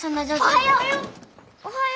おはよう。